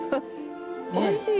おいしい。